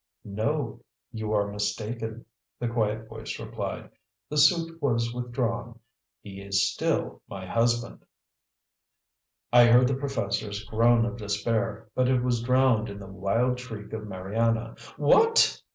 "No. You are mistaken," the quiet voice replied. "The suit was withdrawn. He is still my husband." I heard the professor's groan of despair, but it was drowned in the wild shriek of Mariana. "WHAT?